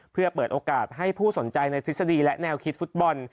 เพื่อเปิดโอกาสให้ผู้สนใจในทฤษฎีและแนวคิดฟุตบอล